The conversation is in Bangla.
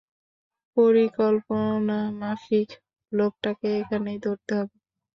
পরিকল্পনামাফিক লোকটাকে এখানেই ধরতে হবে।